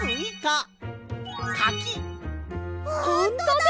ほんとだ！